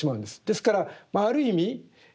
ですからある意味